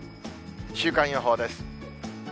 週間予報です。